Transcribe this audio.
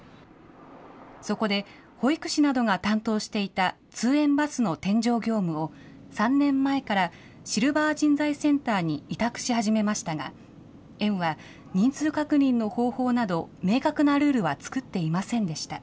そこで、保育士などが担当していた通園バスの添乗業務を、３年前からシルバー人材センターに委託し始めましたが、園は人数確認の方法など明確なルールは作っていませんでした。